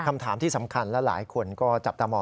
คำถามที่สำคัญและหลายคนก็จับตามอง